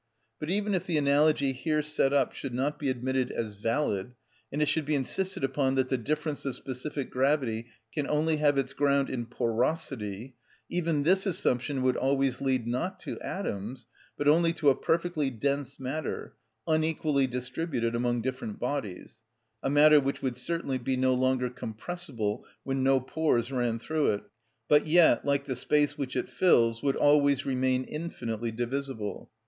But even if the analogy here set up should not be admitted as valid, and it should be insisted upon that the difference of specific gravity can only have its ground in porosity, even this assumption would always lead, not to atoms, but only to a perfectly dense matter, unequally distributed among different bodies; a matter which would certainly be no longer compressible, when no pores ran through it, but yet, like the space which it fills, would always remain infinitely divisible.